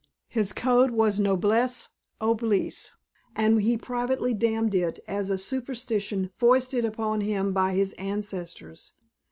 His code was noblesse oblige and he privately damned it as a superstition foisted upon him by his ancestors.